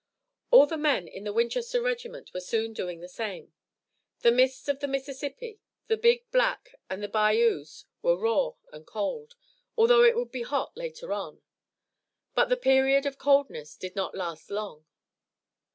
All the men in the Winchester regiment were soon doing the same. The mists of the Mississippi, the Big Black and the bayous were raw and cold, although it would be hot later on. But the period of coldness did not last long.